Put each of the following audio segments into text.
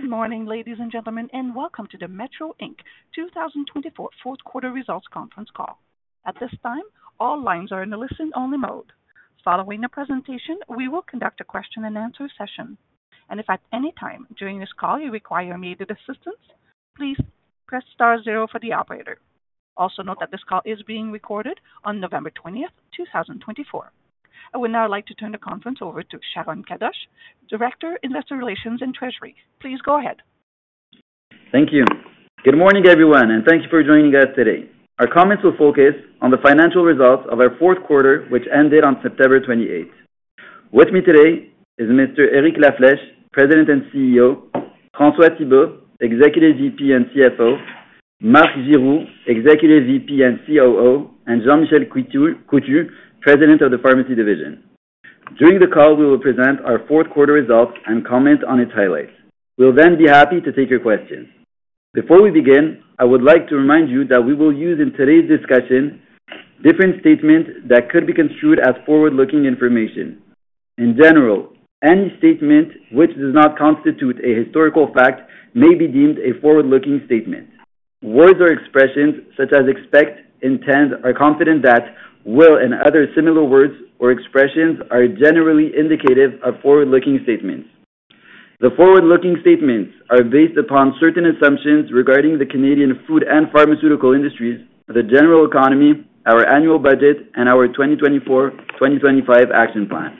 Good morning, ladies and gentlemen, and welcome to the Metro Inc 2024 Fourth Quarter Results Conference Call. At this time, all lines are in a listen-only mode. Following the presentation, we will conduct a question-and-answer session, and if at any time during this call you require immediate assistance, please press star zero for the operator. Also note that this call is being recorded on November 20th, 2024. I would now like to turn the conference over to Sharon Kadoche, Director, Investor Relations and Treasury. Please go ahead. Thank you. Good morning, everyone, and thank you for joining us today. Our comments will focus on the financial results of our fourth quarter, which ended on September 28th. With me today is Mr. Eric La Flèche, President and CEO, François Thibault, Executive VP and CFO, Marc Giroux, Executive VP and COO, and Jean-Michel Coutu, President of the Pharmacy Division. During the call, we will present our fourth quarter results and comment on its highlights. We'll then be happy to take your questions. Before we begin, I would like to remind you that we will use in today's discussion different statements that could be construed as forward-looking information. In general, any statement which does not constitute a historical fact may be deemed a forward-looking statement. Words or expressions such as "expect," "intend," or "confident that," "will," and other similar words or expressions are generally indicative of forward-looking statements. The forward-looking statements are based upon certain assumptions regarding the Canadian food and pharmaceutical industries, the general economy, our annual budget, and our 2024-2025 action plan.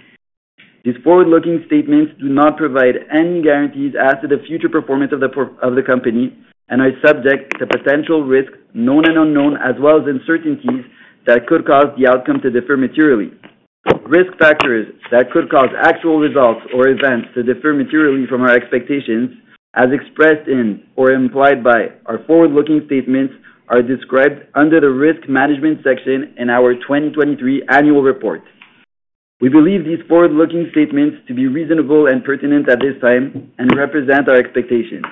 These forward-looking statements do not provide any guarantees as to the future performance of the company and are subject to potential risks, known and unknown, as well as uncertainties that could cause the outcome to differ materially. Risk factors that could cause actual results or events to differ materially from our expectations, as expressed in or implied by our forward-looking statements, are described under the risk management section in our 2023 annual report. We believe these forward-looking statements to be reasonable and pertinent at this time and represent our expectations.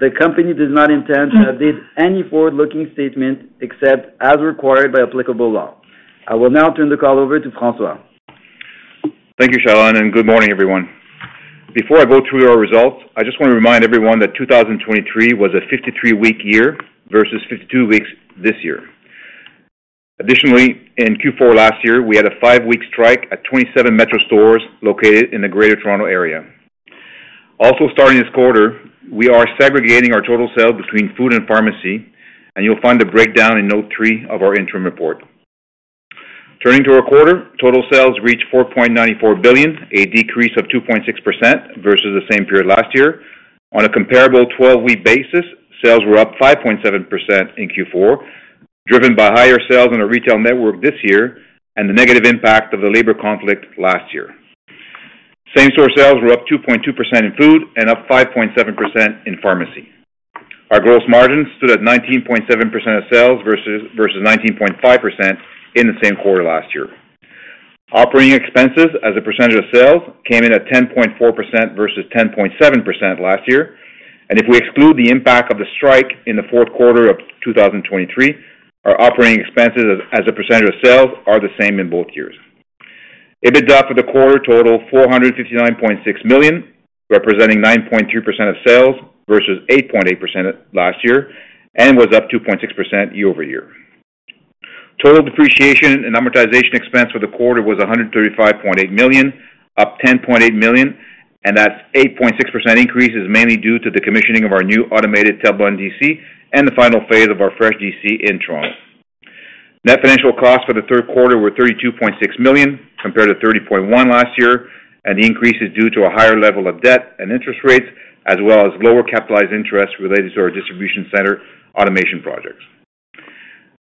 The company does not intend to update any forward-looking statement except as required by applicable law. I will now turn the call over to François. Thank you, Sharon, and good morning, everyone. Before I go through our results, I just want to remind everyone that 2023 was a 53-week year versus 52 weeks this year. Additionally, in Q4 last year, we had a five-week strike at 27 Metro stores located in the Greater Toronto Area. Also, starting this quarter, we are segregating our total sales between food and pharmacy, and you'll find the breakdown in note three of our interim report. Turning to our quarter, total sales reached 4.94 billion, a decrease of 2.6% versus the same period last year. On a comparable 12-week basis, sales were up 5.7% in Q4, driven by higher sales in our retail network this year and the negative impact of the labor conflict last year. Same-store sales were up 2.2% in food and up 5.7% in pharmacy. Our gross margins stood at 19.7% of sales versus 19.5% in the same quarter last year. Operating expenses, as a percentage of sales, came in at 10.4% versus 10.7% last year. And if we exclude the impact of the strike in the fourth quarter of 2023, our operating expenses, as a percentage of sales, are the same in both years. EBITDA for the quarter totaled 459.6 million, representing 9.3% of sales versus 8.8% last year, and was up 2.6% year over year. Total depreciation and amortization expense for the quarter was 135.8 million, up 10.8 million, and that 8.6% increase is mainly due to the commissioning of our new automated Terrebonne DC and the final phase of our Fresh DC in Toronto. Net financial costs for the third quarter were 32.6 million compared to 30.1 million last year, and the increase is due to a higher level of debt and interest rates, as well as lower capitalized interest related to our distribution center automation projects.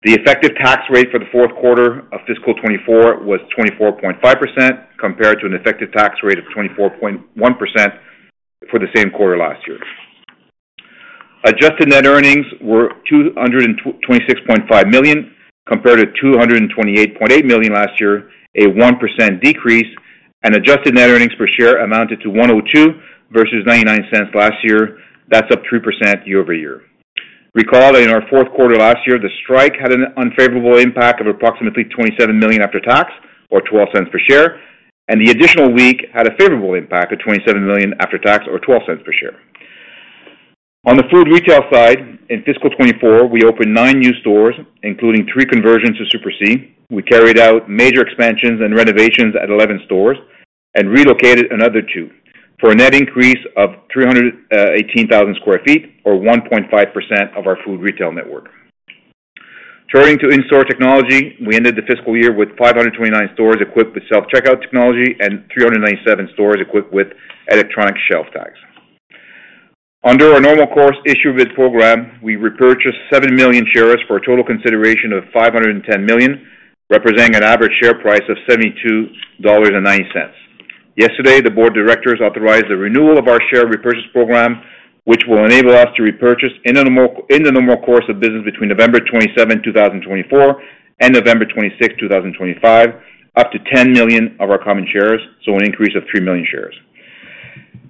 The effective tax rate for the fourth quarter of fiscal 2024 was 24.5% compared to an effective tax rate of 24.1% for the same quarter last year. Adjusted net earnings were 226.5 million compared to 228.8 million last year, a 1% decrease, and adjusted net earnings per share amounted to 1.02 versus 0.99 last year. That's up 3% year over year. Recall that in our fourth quarter last year, the strike had an unfavorable impact of approximately 27 million after tax, or 0.12 per share, and the additional week had a favorable impact of 27 million after tax, or 0.12 per share. On the food retail side, in fiscal 2024, we opened nine new stores, including three conversions to Super C. We carried out major expansions and renovations at 11 stores and relocated another two for a net increase of 318,000 sq ft, or 1.5% of our food retail network. Turning to in-store technology, we ended the fiscal year with 529 stores equipped with self-checkout technology and 397 stores equipped with electronic shelf tags. Under our normal course issuer bid program, we repurchased seven million shares for a total consideration of 510 million, representing an average share price of 72.90 dollars. Yesterday, the board of directors authorized the renewal of our share repurchase program, which will enable us to repurchase in the normal course of business between November 27, 2024, and November 26, 2025, up to 10 million of our common shares, so an increase of three million shares.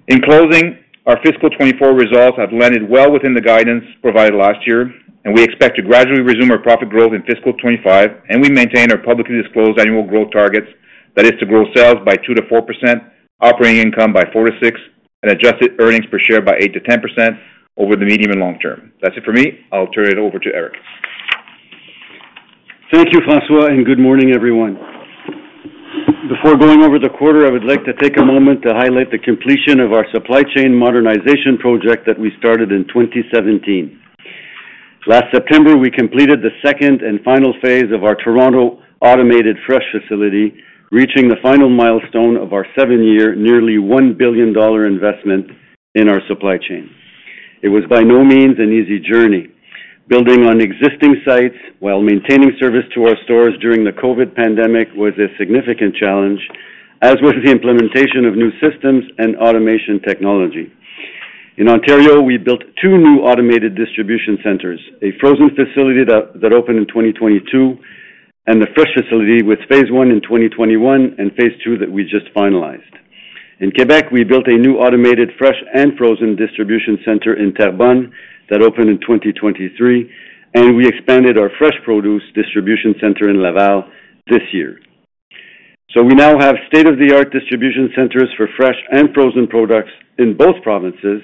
In closing, our fiscal 2024 results have landed well within the guidance provided last year, and we expect to gradually resume our profit growth in fiscal 2025, and we maintain our publicly disclosed annual growth targets, that is, to grow sales by 2%-4%, operating income by 4%-6%, and adjusted earnings per share by 8%-10% over the medium and long term. That's it for me. I'll turn it over to Eric. Thank you, François, and good morning, everyone. Before going over the quarter, I would like to take a moment to highlight the completion of our supply chain modernization project that we started in 2017. Last September, we completed the second and final phase of our Toronto automated fresh facility, reaching the final milestone of our seven-year, nearly 1 billion dollar investment in our supply chain. It was by no means an easy journey. Building on existing sites while maintaining service to our stores during the COVID pandemic was a significant challenge, as was the implementation of new systems and automation technology. In Ontario, we built two new automated distribution centers: a frozen facility that opened in 2022, and the fresh facility with phase one in 2021 and phase two that we just finalized. In Quebec, we built a new automated fresh and frozen distribution center in Terrebonne that opened in 2023, and we expanded our fresh produce distribution center in Laval this year. So we now have state-of-the-art distribution centers for fresh and frozen products in both provinces,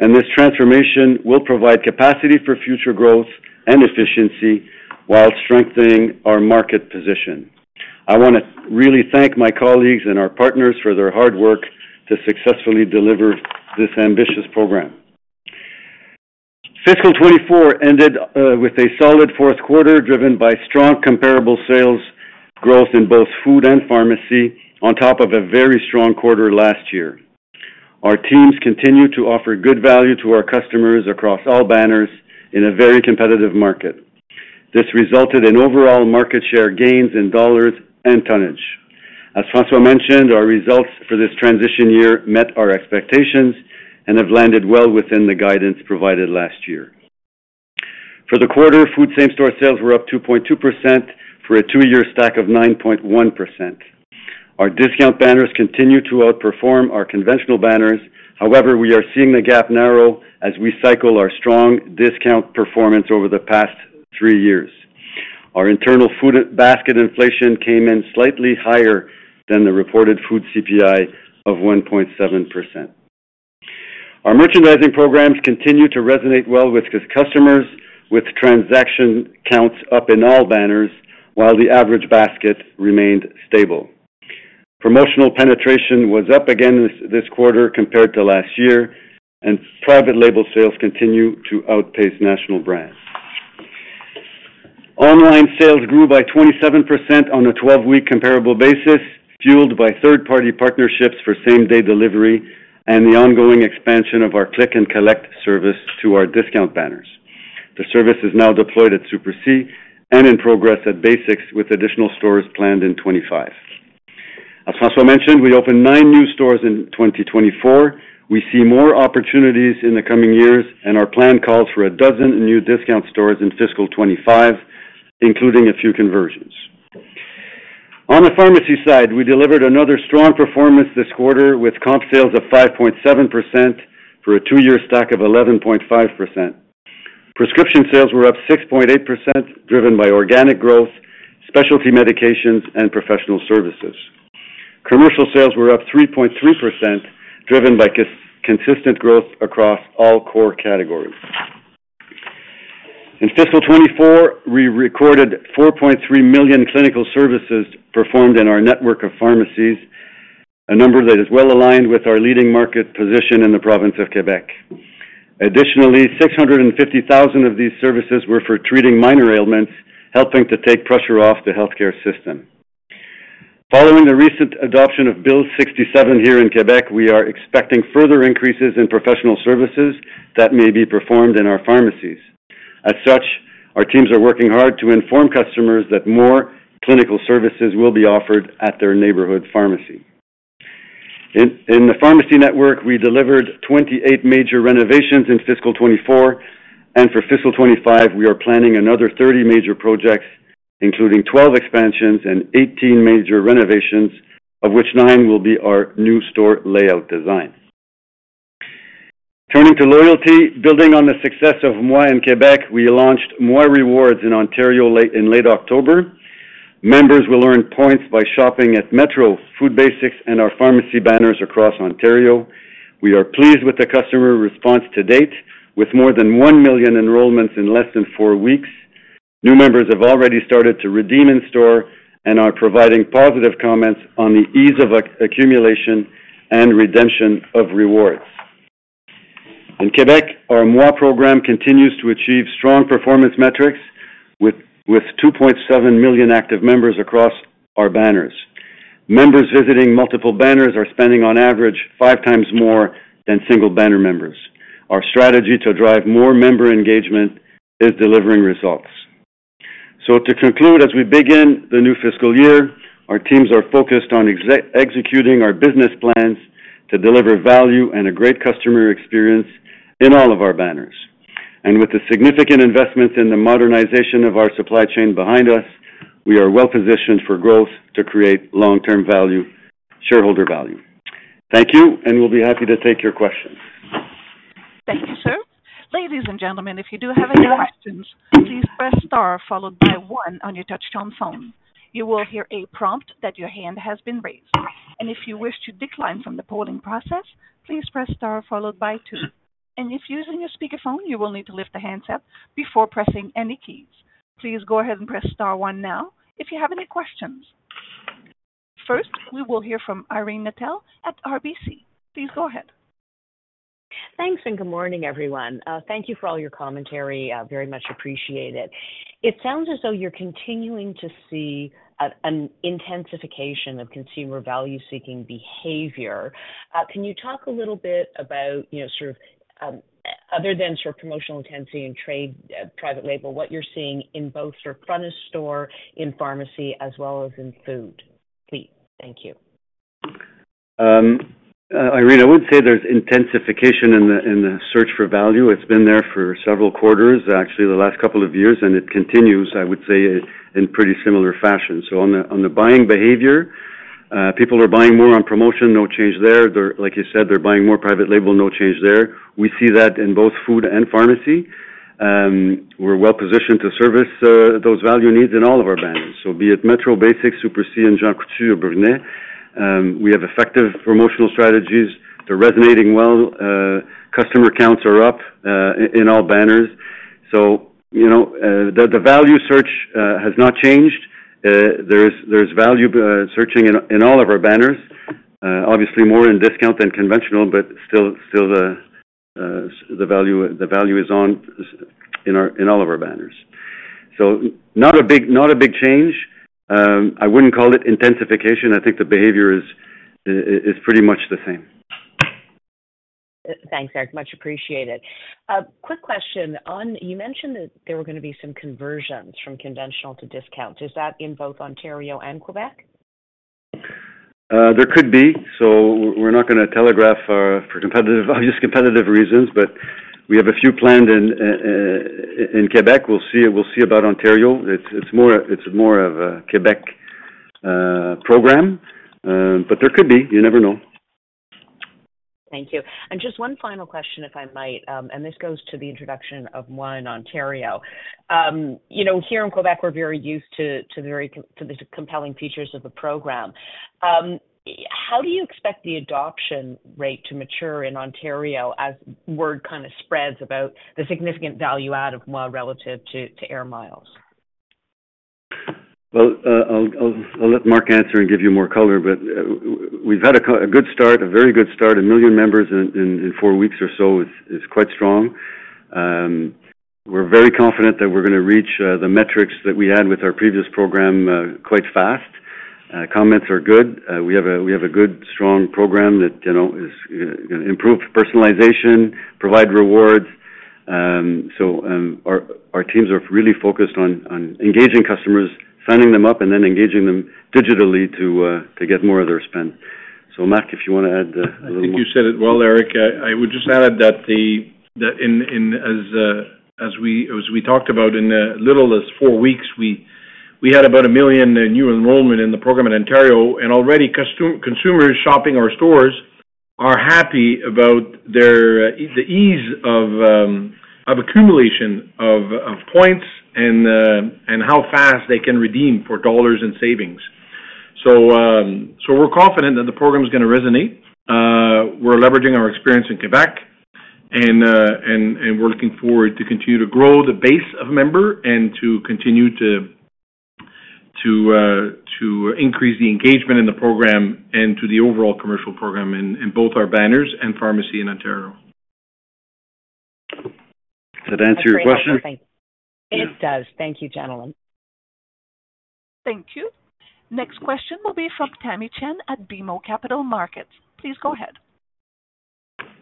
and this transformation will provide capacity for future growth and efficiency while strengthening our market position. I want to really thank my colleagues and our partners for their hard work to successfully deliver this ambitious program. Fiscal 2024 ended with a solid fourth quarter driven by strong comparable sales growth in both food and pharmacy, on top of a very strong quarter last year. Our teams continue to offer good value to our customers across all banners in a very competitive market. This resulted in overall market share gains in dollars and tonnage. As François mentioned, our results for this transition year met our expectations and have landed well within the guidance provided last year. For the quarter, food same-store sales were up 2.2% for a two-year stack of 9.1%. Our discount banners continue to outperform our conventional banners. However, we are seeing the gap narrow as we cycle our strong discount performance over the past three years. Our internal food basket inflation came in slightly higher than the reported food CPI of 1.7%. Our merchandising programs continue to resonate well with customers, with transaction counts up in all banners, while the average basket remained stable. Promotional penetration was up again this quarter compared to last year, and private label sales continue to outpace national brands. Online sales grew by 27% on a 12-week comparable basis, fueled by third-party partnerships for same-day delivery and the ongoing expansion of our Click & Collect service to our discount banners. The service is now deployed at Super C and in progress at Basics, with additional stores planned in 2025. As François mentioned, we opened nine new stores in 2024. We see more opportunities in the coming years, and our plan calls for a dozen new discount stores in fiscal 2025, including a few conversions. On the pharmacy side, we delivered another strong performance this quarter, with comp sales of 5.7% for a two-year stack of 11.5%. Prescription sales were up 6.8%, driven by organic growth, specialty medications, and professional services. Commercial sales were up 3.3%, driven by consistent growth across all core categories. In fiscal 2024, we recorded 4.3 million clinical services performed in our network of pharmacies, a number that is well aligned with our leading market position in the province of Quebec. Additionally, 650,000 of these services were for treating minor ailments, helping to take pressure off the healthcare system. Following the recent adoption of Bill 67 here in Quebec, we are expecting further increases in professional services that may be performed in our pharmacies. As such, our teams are working hard to inform customers that more clinical services will be offered at their neighborhood pharmacy. In the pharmacy network, we delivered 28 major renovations in fiscal 2024, and for fiscal 2025, we are planning another 30 major projects, including 12 expansions and 18 major renovations, of which nine will be our new store layout design. Turning to loyalty, building on the success of Moi in Quebec, we launched Moi Rewards in Ontario in late October. Members will earn points by shopping at Metro, Food Basics, and our pharmacy banners across Ontario. We are pleased with the customer response to date, with more than 1 million enrollments in less than four weeks. New members have already started to redeem in store and are providing positive comments on the ease of accumulation and redemption of rewards. In Quebec, our Moi program continues to achieve strong performance metrics, with 2.7 million active members across our banners. Members visiting multiple banners are spending, on average, five times more than single banner members. Our strategy to drive more member engagement is delivering results. So, to conclude, as we begin the new fiscal year, our teams are focused on executing our business plans to deliver value and a great customer experience in all of our banners. And with the significant investments in the modernization of our supply chain behind us, we are well positioned for growth to create long-term shareholder value. Thank you, and we'll be happy to take your questions. Thank you, sir. Ladies and gentlemen, if you do have any questions, please press star followed by one on your touch-tone phone. You will hear a prompt that your hand has been raised. And if you wish to decline from the polling process, please press star followed by two. And if using your speakerphone, you will need to lift the handset up before pressing any keys. Please go ahead and press star one now if you have any questions. First, we will hear from Irene Nattel at RBC. Please go ahead. Thanks and good morning, everyone. Thank you for all your commentary. Very much appreciate it. It sounds as though you're continuing to see an intensification of consumer value-seeking behavior. Can you talk a little bit about, sort of, other than sort of promotional intensity and trade private label, what you're seeing in both front-of-store, in pharmacy, as well as in food? Please. Thank you. Irene, I would say there's intensification in the search for value. It's been there for several quarters, actually, the last couple of years, and it continues, I would say, in pretty similar fashion. So, on the buying behavior, people are buying more on promotion. No change there. Like you said, they're buying more private label. No change there. We see that in both food and pharmacy. We're well positioned to service those value needs in all of our banners. So, be it Metro, Basics, Super C, and Jean Coutu, Brunet, we have effective promotional strategies that are resonating well. Customer counts are up in all banners. So, the value search has not changed. There's value searching in all of our banners, obviously more in discount than conventional, but still, the value is on in all of our banners. So, not a big change. I wouldn't call it intensification. I think the behavior is pretty much the same. Thanks, Eric. Much appreciated. Quick question. You mentioned that there were going to be some conversions from conventional to discount. Is that in both Ontario and Quebec? There could be. So, we're not going to telegraph for just competitive reasons, but we have a few planned in Quebec. We'll see about Ontario. It's more of a Quebec program, but there could be. You never know. Thank you. And just one final question, if I might, and this goes to the introduction of Moi in Ontario. Here in Quebec, we're very used to the compelling features of the program. How do you expect the adoption rate to mature in Ontario as word kind of spreads about the significant value add of Moi relative to Air Miles? I'll let Marc answer and give you more color, but we've had a good start, a very good start. A million members in four weeks or so is quite strong. We're very confident that we're going to reach the metrics that we had with our previous program quite fast. Comments are good. We have a good, strong program that is going to improve personalization, provide rewards. Our teams are really focused on engaging customers, signing them up, and then engaging them digitally to get more of their spend. Marc, if you want to add a little more. I think you said it well, Eric. I would just add that as we talked about, in a little less than four weeks, we had about a million new enrollments in the program in Ontario, and already consumers shopping our stores are happy about the ease of accumulation of points and how fast they can redeem for dollars and savings. So, we're confident that the program is going to resonate. We're leveraging our experience in Quebec, and we're looking forward to continue to grow the base of members and to continue to increase the engagement in the program and to the overall commercial program in both our banners and pharmacy in Ontario. Did that answer your question? It does. Thank you, gentlemen. Thank you. Next question will be from Tamy Chen at BMO Capital Markets. Please go ahead.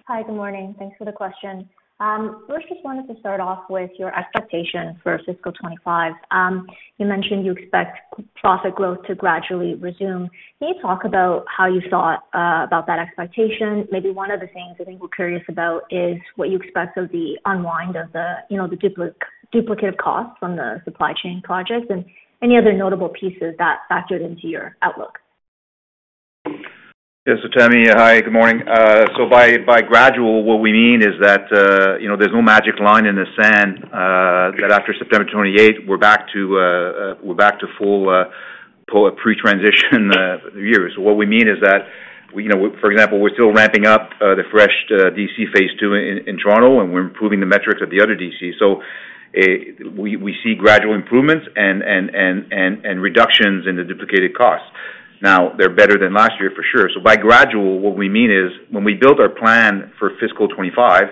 Hi, good morning. Thanks for the question. First, just wanted to start off with your expectation for fiscal 2025. You mentioned you expect profit growth to gradually resume. Can you talk about how you thought about that expectation? Maybe one of the things I think we're curious about is what you expect of the unwind of the duplicative costs from the supply chain projects and any other notable pieces that factored into your outlook. Yeah. So, Tamy, hi, good morning. So, by gradual, what we mean is that there's no magic line in the sand that after September 28, we're back to full pre-transition years. What we mean is that, for example, we're still ramping up the Fresh DC Phase Two in Toronto, and we're improving the metrics of the other DC. So, we see gradual improvements and reductions in the duplicated costs. Now, they're better than last year, for sure. So, by gradual, what we mean is when we built our plan for fiscal 2025,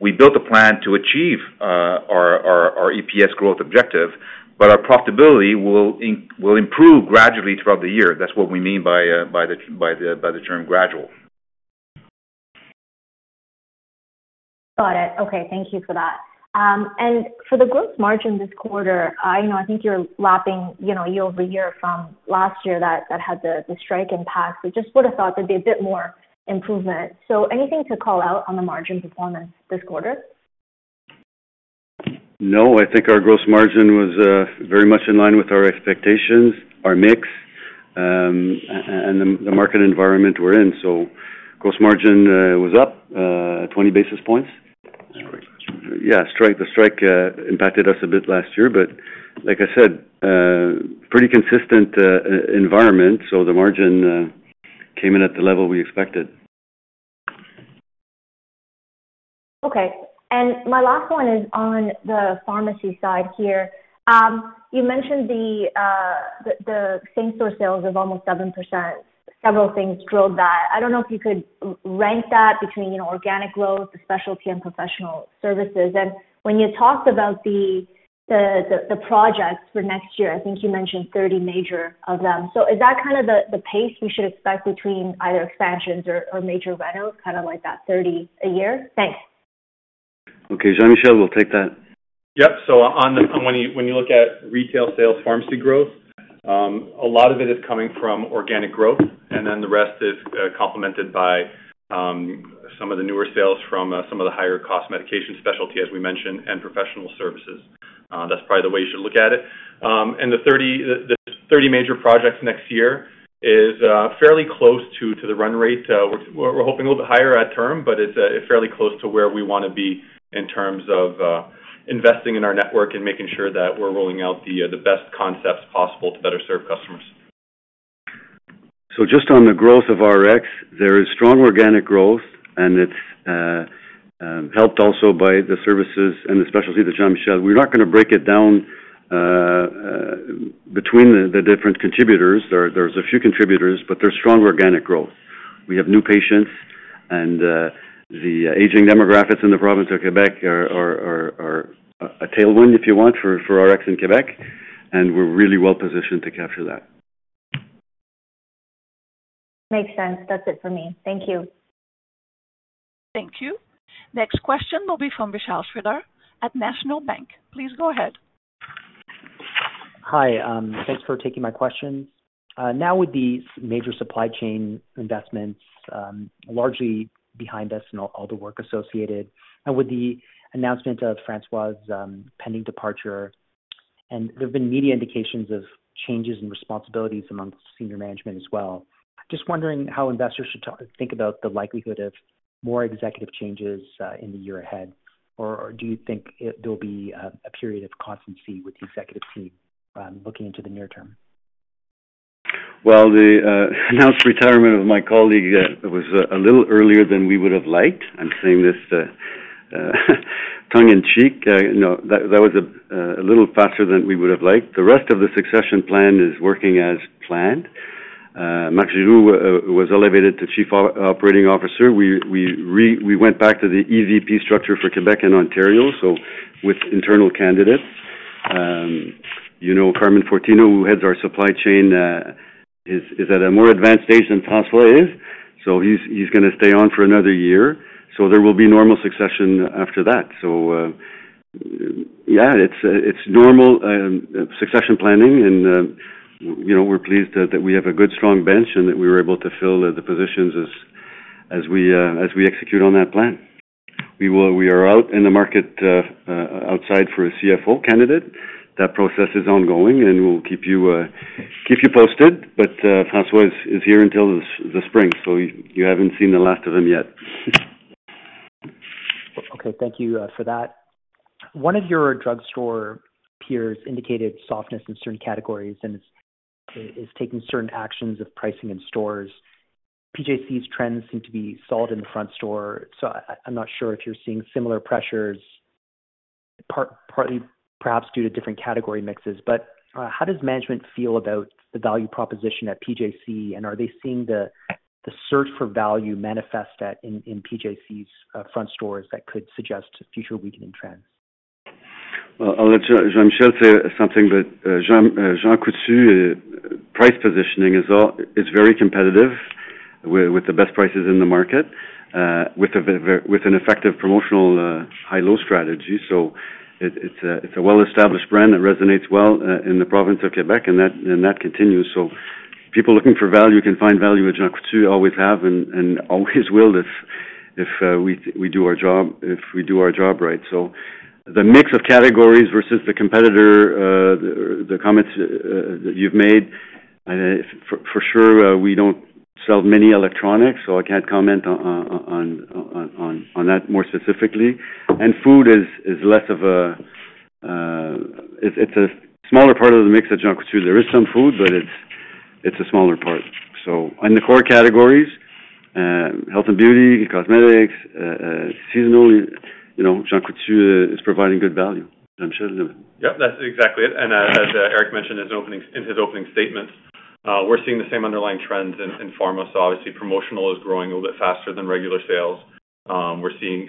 we built a plan to achieve our EPS growth objective, but our profitability will improve gradually throughout the year. That's what we mean by the term gradual. Got it. Okay. Thank you for that. And for the gross margin this quarter, I think you're lapping year over year from last year that had the strike impact. We just would have thought there'd be a bit more improvement. So, anything to call out on the margin performance this quarter? No. I think our gross margin was very much in line with our expectations, our mix, and the market environment we're in. So, gross margin was up 20 basis points. Yeah. The strike impacted us a bit last year, but like I said, pretty consistent environment. So, the margin came in at the level we expected. Okay, and my last one is on the pharmacy side here. You mentioned the same-store sales of almost 7%. Several things drove that. I don't know if you could rank that between organic growth, the specialty, and professional services. And when you talked about the projects for next year, I think you mentioned 30 major of them. So, is that kind of the pace we should expect between either expansions or major renos, kind of like that 30 a year? Thanks. Okay. Jean-Michel, we'll take that. Yep. So, when you look at retail sales, pharmacy growth, a lot of it is coming from organic growth, and then the rest is complemented by some of the newer sales from some of the higher-cost medication specialty, as we mentioned, and professional services. That's probably the way you should look at it, and the 30 major projects next year is fairly close to the run rate. We're hoping a little bit higher at term, but it's fairly close to where we want to be in terms of investing in our network and making sure that we're rolling out the best concepts possible to better serve customers. Just on the growth of RX, there is strong organic growth, and it's helped also by the services and the specialty that Jean-Michel... We're not going to break it down between the different contributors. There's a few contributors, but there's strong organic growth. We have new patients, and the aging demographics in the province of Quebec are a tailwind, if you want, for RX in Quebec, and we're really well positioned to capture that. Makes sense. That's it for me. Thank you. Thank you. Next question will be from Michelle Schroeder at National Bank Financial. Please go ahead. Hi. Thanks for taking my questions. Now, with these major supply chain investments largely behind us and all the work associated, and with the announcement of François's pending departure, and there have been media indications of changes in responsibilities among senior management as well, just wondering how investors should think about the likelihood of more executive changes in the year ahead, or do you think there'll be a period of constancy with the executive team looking into the near term? The announced retirement of my colleague was a little earlier than we would have liked. I'm saying this tongue in cheek. No, that was a little faster than we would have liked. The rest of the succession plan is working as planned. Marc Giroux was elevated to Chief Operating Officer. We went back to the EVP structure for Quebec and Ontario, so with internal candidates. Carmen Fortino, who heads our supply chain, is at a more advanced stage than François is, so he's going to stay on for another year. There will be normal succession after that. Yeah, it's normal succession planning, and we're pleased that we have a good, strong bench and that we were able to fill the positions as we execute on that plan. We are out in the market outside for a CFO candidate. That process is ongoing, and we'll keep you posted, but François is here until the spring, so you haven't seen the last of him yet. Okay. Thank you for that. One of your drugstore peers indicated softness in certain categories and is taking certain actions of pricing in stores. PJC's trends seem to be solid in the front store. So, I'm not sure if you're seeing similar pressures, partly perhaps due to different category mixes, but how does management feel about the value proposition at PJC, and are they seeing the search for value manifest in PJC's front stores that could suggest future weakening trends? I'll let Jean-Michel say something, but Jean Coutu, price positioning is very competitive with the best prices in the market, with an effective promotional high-low strategy. It's a well-established brand that resonates well in the province of Quebec, and that continues. People looking for value can find value at Jean Coutu, always have, and always will if we do our job, if we do our job right. The mix of categories versus the competitor, the comments that you've made, for sure, we don't sell many electronics, so I can't comment on that more specifically. Food is less of a... It's a smaller part of the mix at Jean Coutu. There is some food, but it's a smaller part. In the core categories, health and beauty, cosmetics, seasonally, Jean Coutu is providing good value. Jean-Michel, do you want to? Yep. That's exactly it. And as Eric mentioned in his opening statement, we're seeing the same underlying trends in pharma. So, obviously, promotional is growing a little bit faster than regular sales. We're seeing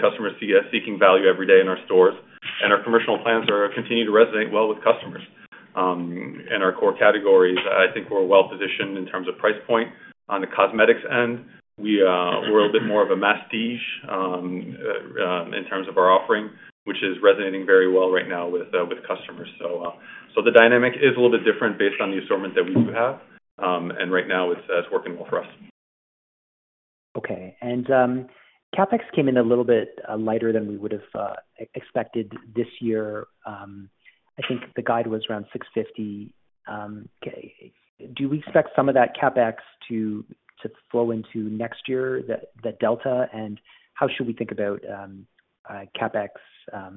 customers seeking value every day in our stores, and our commercial plans continue to resonate well with customers. In our core categories, I think we're well positioned in terms of price point. On the cosmetics end, we're a little bit more of a masstige in terms of our offering, which is resonating very well right now with customers. So, the dynamic is a little bit different based on the assortment that we do have, and right now, it's working well for us. Okay. CapEx came in a little bit lighter than we would have expected this year. I think the guide was around 650. Do we expect some of that CapEx to flow into next year, the delta? And how should we think about CapEx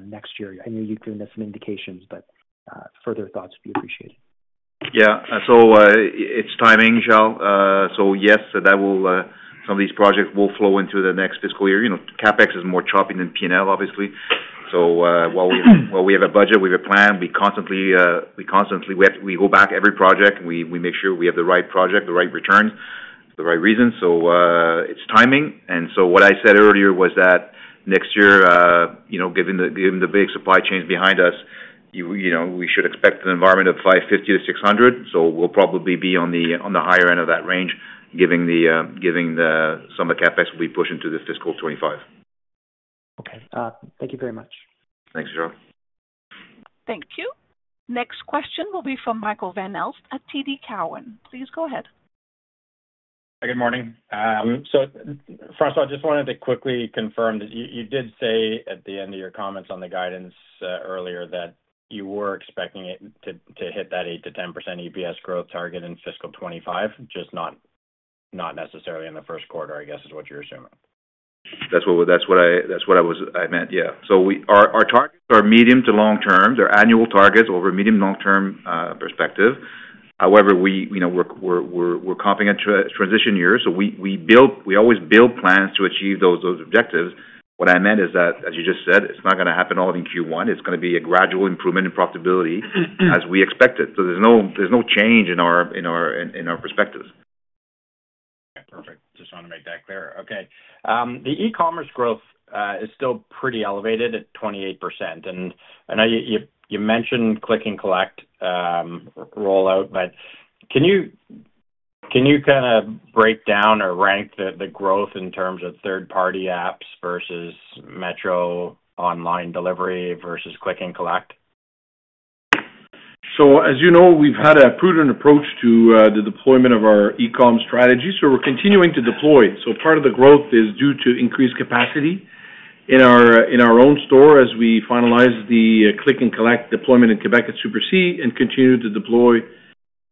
next year? I know you've given us some indications, but further thoughts would be appreciated. Yeah. So, it's timing, Michelle. So, yes, some of these projects will flow into the next fiscal year. CapEx is more choppy than P&L, obviously. So, while we have a budget, we have a plan, we constantly go back every project. We make sure we have the right project, the right returns, the right reasons. So, it's timing. And so, what I said earlier was that next year, given the big supply chains behind us, we should expect an environment of 550-600. So, we'll probably be on the higher end of that range, given some of the CapEx we push into the fiscal 2025. Okay. Thank you very much. Thanks, Michelle. Thank you. Next question will be from Michael Van Aelst at TD Cowen. Please go ahead. Hi, good morning. So, François, I just wanted to quickly confirm that you did say at the end of your comments on the guidance earlier that you were expecting it to hit that 8%-10% EPS growth target in fiscal 2025, just not necessarily in the first quarter, I guess, is what you're assuming. That's what I meant. Yeah. So, our targets are medium to long term. They're annual targets over a medium-long term perspective. However, we're comping a transition year, so we always build plans to achieve those objectives. What I meant is that, as you just said, it's not going to happen all in Q1. It's going to be a gradual improvement in profitability as we expect it. So, there's no change in our perspectives. Okay. Perfect. Just wanted to make that clear. Okay. The e-commerce growth is still pretty elevated at 28%. And I know you mentioned Click & Collect rollout, but can you kind of break down or rank the growth in terms of third-party apps versus Metro online delivery versus Click & Collect? As you know, we've had a prudent approach to the deployment of our e-comm strategy, so we're continuing to deploy. Part of the growth is due to increased capacity in our own store as we finalize the Click & Collect deployment in Quebec at Super C and continue to deploy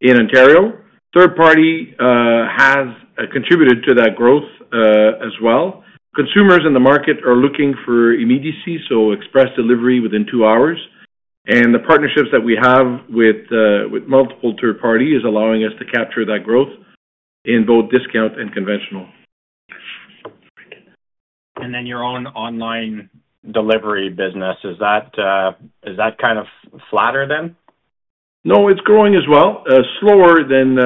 in Ontario. Third-party has contributed to that growth as well. Consumers in the market are looking for immediacy, so express delivery within two hours. The partnerships that we have with multiple third parties are allowing us to capture that growth in both discount and conventional. And then your own online delivery business, is that kind of flatter than? No, it's growing as well, slower than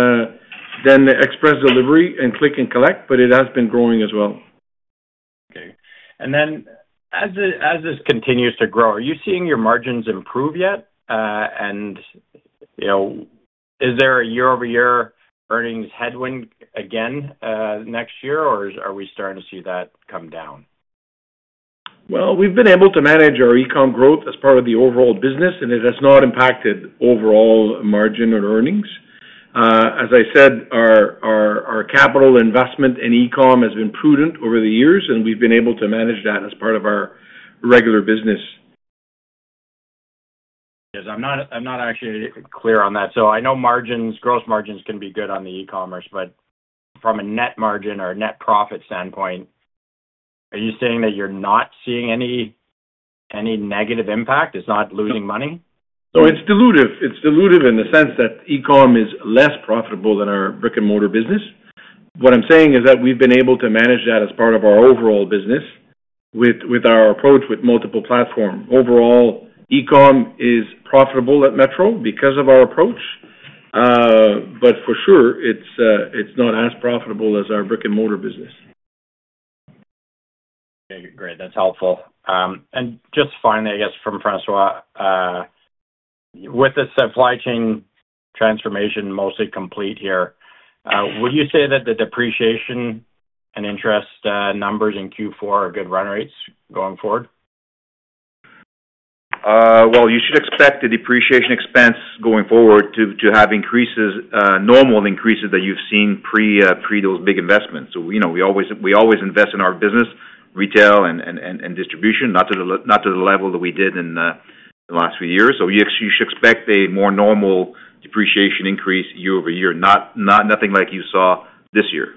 express delivery and Click & Collect, but it has been growing as well. Okay. Then, as this continues to grow, are you seeing your margins improve yet? Is there a year-over-year earnings headwind again next year, or are we starting to see that come down? We've been able to manage our e-comm growth as part of the overall business, and it has not impacted overall margin or earnings. As I said, our capital investment in e-comm has been prudent over the years, and we've been able to manage that as part of our regular business. I'm not actually clear on that. So, I know gross margins can be good on the e-commerce, but from a net margin or net profit standpoint, are you saying that you're not seeing any negative impact? It's not losing money? So, it's dilutive. It's dilutive in the sense that e-comm is less profitable than our brick-and-mortar business. What I'm saying is that we've been able to manage that as part of our overall business with our approach with multiple platforms. Overall, e-comm is profitable at Metro because of our approach, but for sure, it's not as profitable as our brick-and-mortar business. Okay. Great. That's helpful. And just finally, I guess, from François, with the supply chain transformation mostly complete here, would you say that the depreciation and interest numbers in Q4 are good run rates going forward? You should expect the depreciation expense going forward to have normal increases that you've seen pre those big investments. We always invest in our business, retail and distribution, not to the level that we did in the last few years. You should expect a more normal depreciation increase year over year, nothing like you saw this year.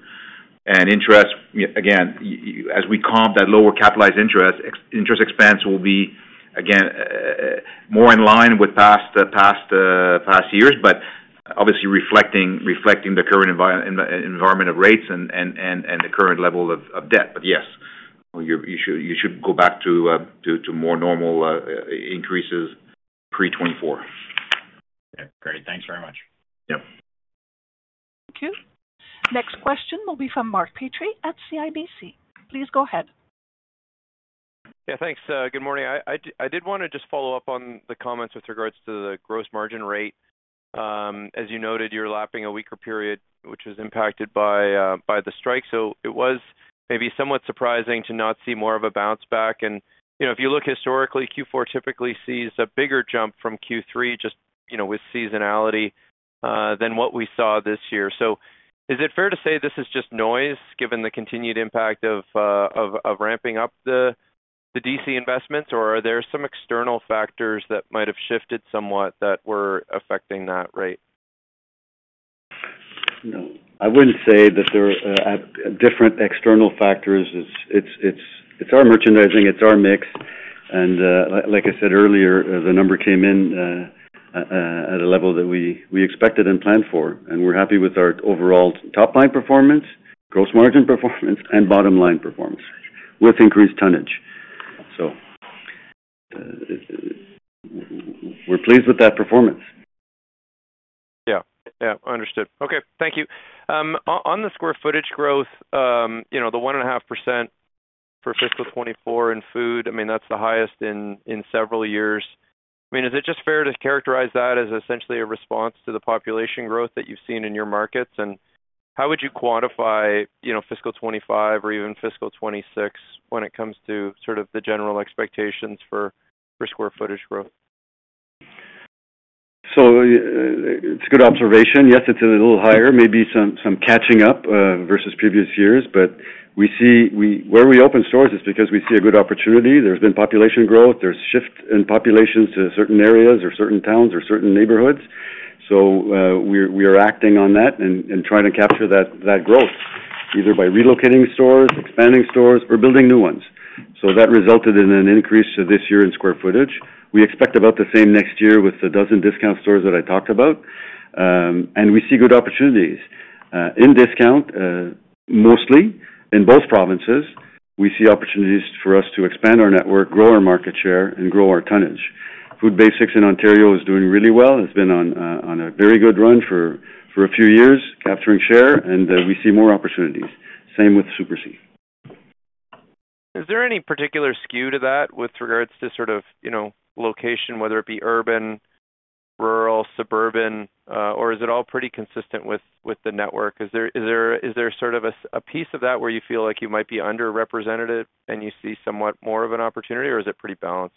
Interest, again, as we comp that lower capitalized interest, interest expense will be, again, more in line with past years, but obviously reflecting the current environment of rates and the current level of debt. Yes, you should go back to more normal increases pre-2024. Okay. Great. Thanks very much. Yep. Thank you. Next question will be from Mark Petrie at CIBC. Please go ahead. Yeah. Thanks. Good morning. I did want to just follow up on the comments with regards to the gross margin rate. As you noted, you're lapping a weaker period, which was impacted by the strike. So, it was maybe somewhat surprising to not see more of a bounce back. And if you look historically, Q4 typically sees a bigger jump from Q3 just with seasonality than what we saw this year. So, is it fair to say this is just noise given the continued impact of ramping up the DC investments, or are there some external factors that might have shifted somewhat that were affecting that rate? No. I wouldn't say that there are different external factors. It's our merchandising. It's our mix. And like I said earlier, the number came in at a level that we expected and planned for, and we're happy with our overall top-line performance, gross margin performance, and bottom-line performance with increased tonnage. So, we're pleased with that performance. Yeah. Yeah. Understood. Okay. Thank you. On the square footage growth, the 1.5% for fiscal 2024 in food, I mean, that's the highest in several years. I mean, is it just fair to characterize that as essentially a response to the population growth that you've seen in your markets? And how would you quantify fiscal 2025 or even fiscal 2026 when it comes to sort of the general expectations for square footage growth? So, it's a good observation. Yes, it's a little higher, maybe some catching up versus previous years, but where we open stores is because we see a good opportunity. There's been population growth. There's a shift in populations to certain areas or certain towns or certain neighborhoods. So, we are acting on that and trying to capture that growth either by relocating stores, expanding stores, or building new ones. So, that resulted in an increase this year in square footage. We expect about the same next year with the dozen discount stores that I talked about. And we see good opportunities. In discount, mostly in both provinces, we see opportunities for us to expand our network, grow our market share, and grow our tonnage. Food Basics in Ontario is doing really well. It's been on a very good run for a few years capturing share, and we see more opportunities. Same with Super C. Is there any particular skew to that with regards to sort of location, whether it be urban, rural, suburban, or is it all pretty consistent with the network? Is there sort of a piece of that where you feel like you might be underrepresented and you see somewhat more of an opportunity, or is it pretty balanced?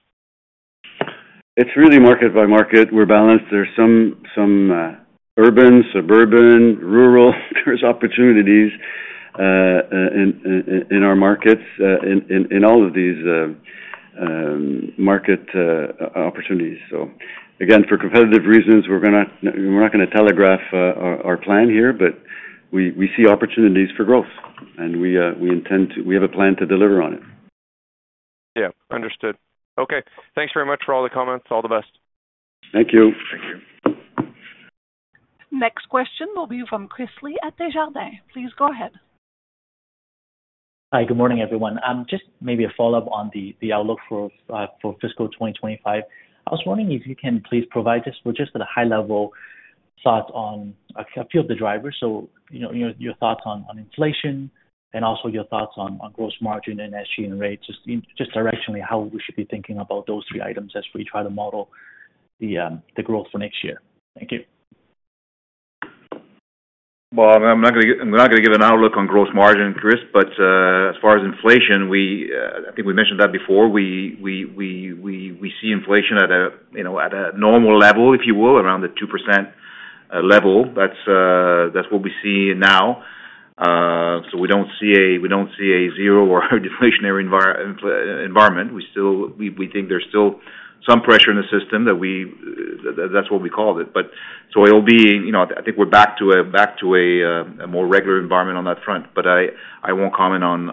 It's really market by market. We're balanced. There's some urban, suburban, rural. There's opportunities in our markets in all of these market opportunities. So, again, for competitive reasons, we're not going to telegraph our plan here, but we see opportunities for growth, and we intend to—we have a plan to deliver on it. Yeah. Understood. Okay. Thanks very much for all the comments. All the best. Thank you. Thank you. Next question will be from Chris Li at Desjardins. Please go ahead. Hi. Good morning, everyone. Just maybe a follow-up on the outlook for fiscal 2025. I was wondering if you can please provide us with just a high-level thought on a few of the drivers. So, your thoughts on inflation and also your thoughts on gross margin and SG and rate, just directionally how we should be thinking about those three items as we try to model the growth for next year. Thank you. I'm not going to give an outlook on gross margin, Chris, but as far as inflation, I think we mentioned that before. We see inflation at a normal level, if you will, around the 2% level. That's what we see now. So, we don't see a zero or a deflationary environment. We think there's still some pressure in the system that we—that's what we called it. But so it'll be—I think we're back to a more regular environment on that front. But I won't comment on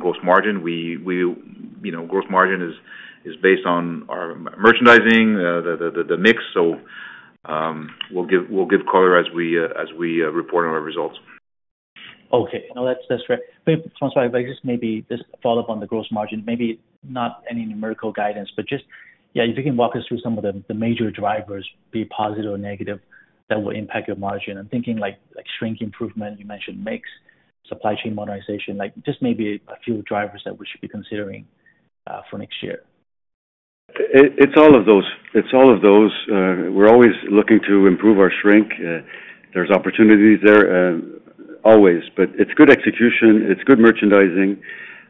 gross margin. Gross margin is based on our merchandising, the mix. So, we'll give color as we report on our results. Okay. No, that's great. François, just maybe this follow-up on the gross margin, maybe not any numerical guidance, but just, yeah, if you can walk us through some of the major drivers, be it positive or negative, that will impact your margin. I'm thinking like shrink improvement. You mentioned mix, Supply Chain Modernization, just maybe a few drivers that we should be considering for next year. It's all of those. We're always looking to improve our shrink. There's opportunities there, always. But it's good execution. It's good merchandising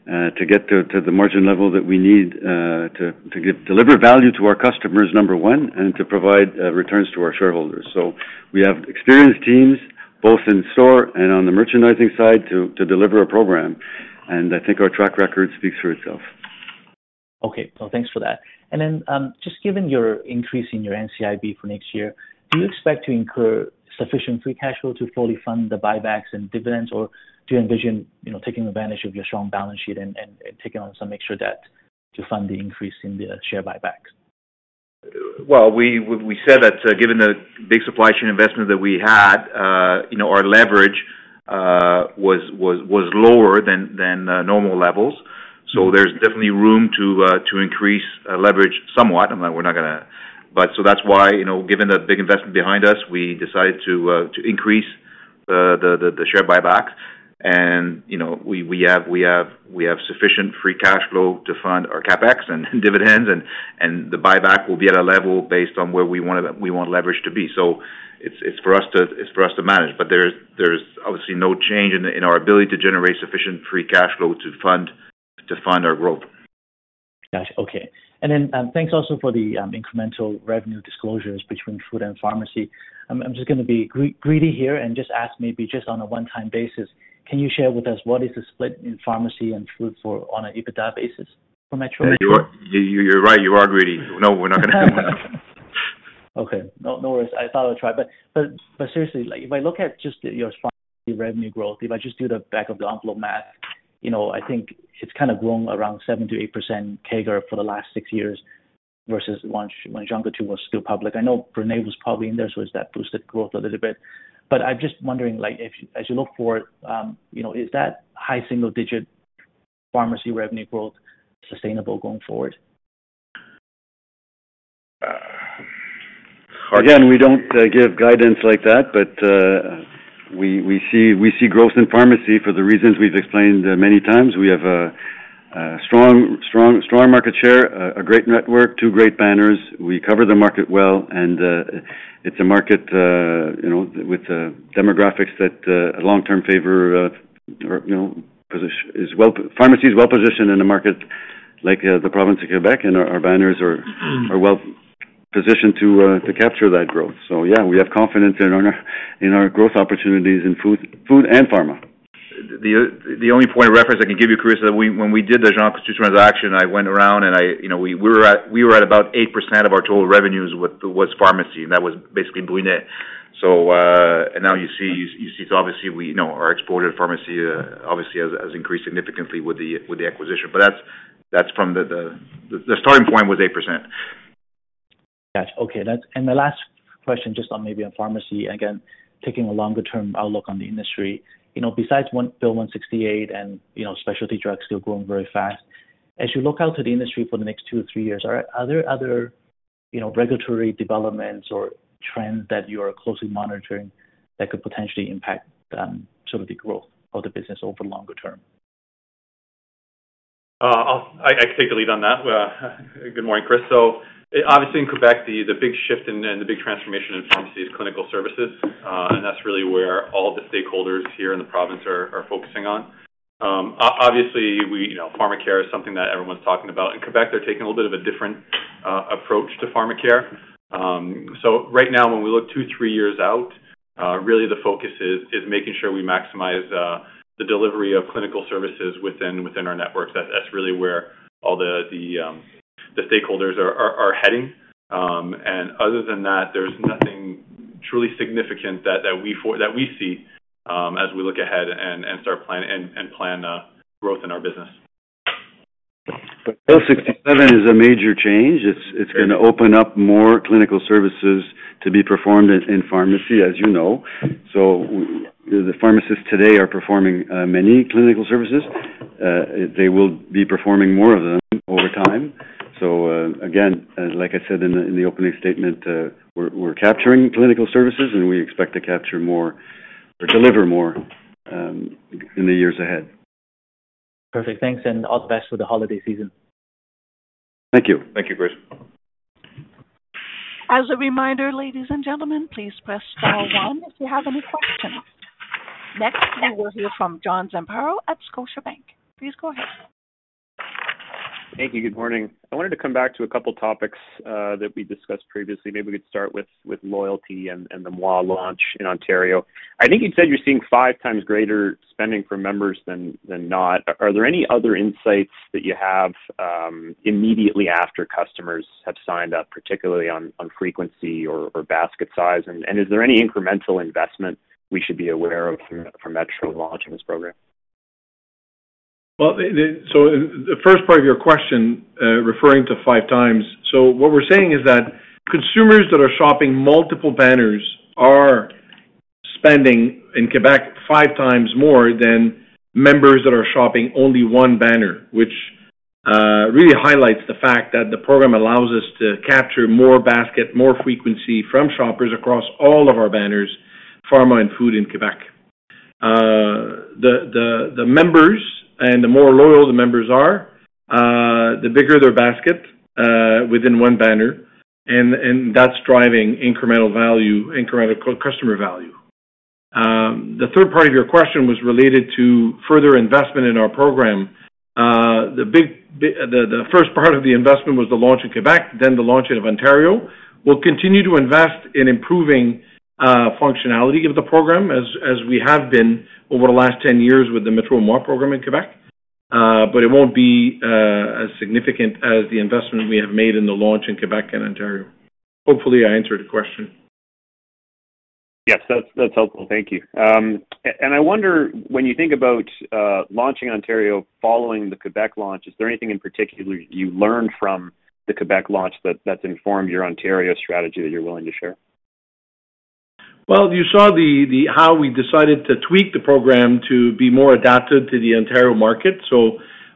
to get to the margin level that we need to deliver value to our customers, number one, and to provide returns to our shareholders. So, we have experienced teams both in store and on the merchandising side to deliver a program. And I think our track record speaks for itself. Okay. So, thanks for that. And then, just given your increase in your NCIB for next year, do you expect to generate sufficient free cash flow to fully fund the buybacks and dividends, or do you envision taking advantage of your strong balance sheet and taking on some extra debt to fund the increase in the share buybacks? We said that given the big supply chain investment that we had, our leverage was lower than normal levels. There's definitely room to increase leverage somewhat. That's why, given the big investment behind us, we decided to increase the share buybacks. We have sufficient free cash flow to fund our CapEx and dividends, and the buyback will be at a level based on where we want leverage to be. It's for us to manage. There's obviously no change in our ability to generate sufficient free cash flow to fund our growth. Gotcha. Okay. And then, thanks also for the incremental revenue disclosures between food and pharmacy. I'm just going to be greedy here and just ask maybe just on a one-time basis, can you share with us what is the split in pharmacy and food on an EBITDA basis for Metro? You're right. You are greedy. No, we're not going to. Okay. No worries. I thought I would try. But seriously, if I look at just your same-store revenue growth, if I just do the back-of-the-envelope math, I think it's kind of grown around 7%-8% CAGR for the last six years versus when Jean Coutu was still public. I know Brunet was probably in there, so it's that boosted growth a little bit. But I'm just wondering, as you look forward, is that high single-digit pharmacy revenue growth sustainable going forward? Again, we don't give guidance like that, but we see growth in pharmacy for the reasons we've explained many times. We have a strong market share, a great network, two great banners. We cover the market well, and it's a market with demographics that long-term favor because pharmacy is well-positioned in a market like the province of Quebec, and our banners are well-positioned to capture that growth. So, yeah, we have confidence in our growth opportunities in food and pharma. The only point of reference I can give you, Chris, is that when we did the Jean Coutu transaction, I went around and we were at about 8% of our total revenues was pharmacy, and that was basically Brunet. So, and now you see it's obviously our expanded pharmacy has increased significantly with the acquisition. But that's from the starting point was 8%. Gotcha. Okay. And the last question just on maybe on pharmacy, again, taking a longer-term outlook on the industry. Besides Bill 67 and specialty drugs still growing very fast, as you look out to the industry for the next two to three years, are there other regulatory developments or trends that you are closely monitoring that could potentially impact sort of the growth of the business over the longer term? I can take the lead on that. Good morning, Chris. So, obviously, in Quebec, the big shift and the big transformation in pharmacy is clinical services, and that's really where all the stakeholders here in the province are focusing on. Obviously, pharmacare is something that everyone's talking about. In Quebec, they're taking a little bit of a different approach to pharmacare. So, right now, when we look two to three years out, really the focus is making sure we maximize the delivery of clinical services within our networks. That's really where all the stakeholders are heading. And other than that, there's nothing truly significant that we see as we look ahead and start planning and plan growth in our business. But Bill 67 is a major change. It's going to open up more clinical services to be performed in pharmacy, as you know. So, the pharmacists today are performing many clinical services. They will be performing more of them over time. So, again, like I said in the opening statement, we're capturing clinical services, and we expect to capture more or deliver more in the years ahead. Perfect. Thanks. And all the best with the holiday season. Thank you. Thank you, Chris. As a reminder, ladies and gentlemen, please press star one if you have any questions. Next, we will hear from John Zamparo at Scotiabank. Please go ahead. Thank you. Good morning. I wanted to come back to a couple of topics that we discussed previously. Maybe we could start with loyalty and the Moi launch in Ontario. I think you said you're seeing five times greater spending for members than not. Are there any other insights that you have immediately after customers have signed up, particularly on frequency or basket size? And is there any incremental investment we should be aware of for Metro launching this program? Well, so the first part of your question referring to five times, so what we're saying is that consumers that are shopping multiple banners are spending in Quebec five times more than members that are shopping only one banner, which really highlights the fact that the program allows us to capture more basket, more frequency from shoppers across all of our banners, pharma, and food in Quebec. The members and the more loyal the members are, the bigger their basket within one banner, and that's driving incremental value, incremental customer value. The third part of your question was related to further investment in our program. The first part of the investment was the launch in Quebec, then the launch in Ontario. We'll continue to invest in improving functionality of the program as we have been over the last 10 years with the Metro Moi program in Quebec, but it won't be as significant as the investment we have made in the launch in Quebec and Ontario. Hopefully, I answered the question. Yes, that's helpful. Thank you. And I wonder, when you think about launching Ontario following the Quebec launch, is there anything in particular you learned from the Quebec launch that's informed your Ontario strategy that you're willing to share? You saw how we decided to tweak the program to be more adapted to the Ontario market.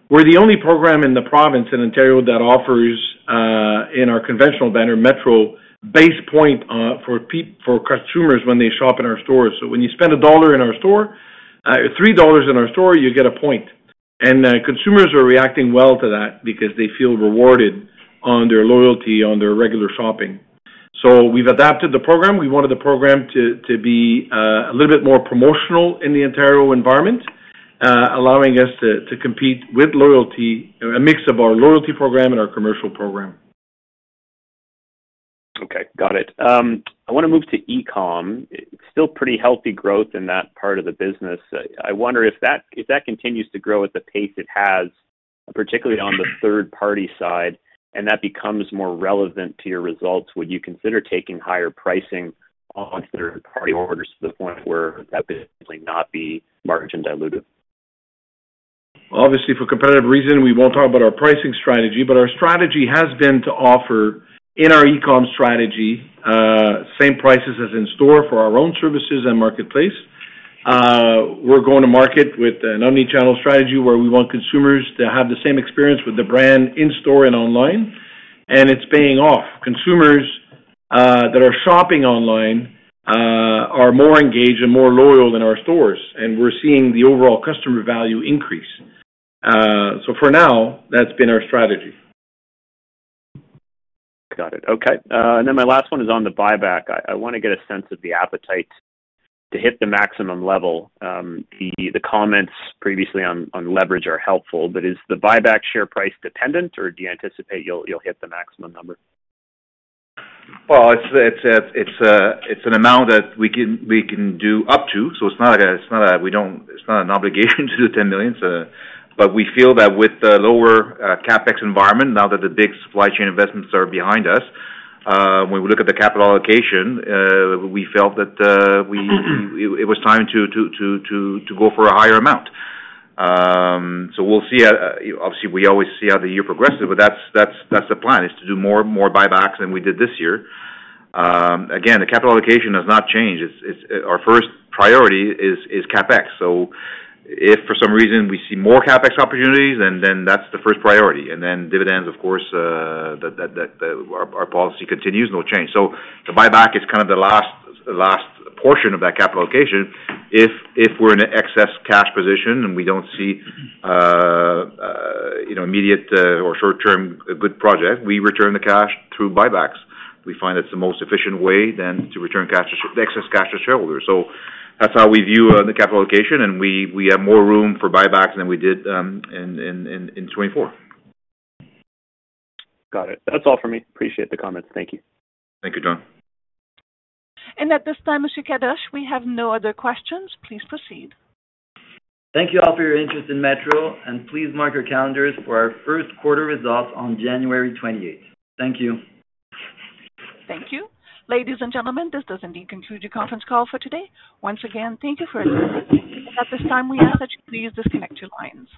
We're the only program in the province in Ontario that offers in our conventional banner Metro base points for consumers when they shop in our stores. When you spend a dollar in our store, three dollars in our store, you get a point, and consumers are reacting well to that because they feel rewarded on their loyalty on their regular shopping. We've adapted the program. We wanted the program to be a little bit more promotional in the Ontario environment, allowing us to compete with loyalty, a mix of our loyalty program and our commercial program. Okay. Got it. I want to move to e-comm. Still pretty healthy growth in that part of the business. I wonder if that continues to grow at the pace it has, particularly on the third-party side, and that becomes more relevant to your results, would you consider taking higher pricing on third-party orders to the point where that could simply not be margin diluted? Obviously, for competitive reasons, we won't talk about our pricing strategy, but our strategy has been to offer in our e-comm strategy same prices as in store for our own services and marketplace. We're going to market with an omnichannel strategy where we want consumers to have the same experience with the brand in store and online, and it's paying off. Consumers that are shopping online are more engaged and more loyal than our stores, and we're seeing the overall customer value increase, so for now, that's been our strategy. Got it. Okay. And then my last one is on the buyback. I want to get a sense of the appetite to hit the maximum level. The comments previously on leverage are helpful, but is the buyback share price dependent, or do you anticipate you'll hit the maximum number? Well, it's an amount that we can do up to. So, it's not an obligation to do 10 million. But we feel that with the lower CapEx environment, now that the big supply chain investments are behind us, when we look at the capital allocation, we felt that it was time to go for a higher amount. So, we'll see. Obviously, we always see how the year progresses, but that's the plan, is to do more buybacks than we did this year. Again, the capital allocation has not changed. Our first priority is CapEx. So, if for some reason we see more CapEx opportunities, then that's the first priority. And then dividends, of course, our policy continues, no change. So, the buyback is kind of the last portion of that capital allocation. If we're in an excess cash position and we don't see immediate or short-term good projects, we return the cash through buybacks. We find that's the most efficient way then to return the excess cash to shareholders. So, that's how we view the capital allocation, and we have more room for buybacks than we did in 2024. Got it. That's all for me. Appreciate the comments. Thank you. Thank you, John. At this time, Mr. Kadoche, we have no other questions. Please proceed. Thank you all for your interest in Metro, and please mark your calendars for our first quarter results on January 28th. Thank you. Thank you. Ladies and gentlemen, this does indeed conclude your conference call for today. Once again, thank you for attending. At this time, we ask that you please disconnect your lines.